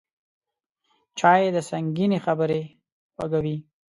چای د سنګینې خبرې خوږوي